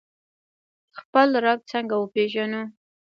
خپل رب څنګه وپیژنو؟